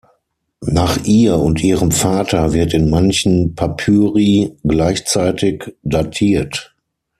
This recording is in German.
Nach ihr und ihrem Vater wird in manchen Papyri gleichzeitig datiert.